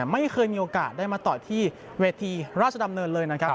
ไม่เคยมีโอกาสได้มาต่อยที่เวทีราชดำเนินเลยนะครับ